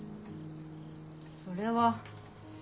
それは。